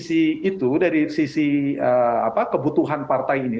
jadi saya kira dari sisi kebutuhan partai ini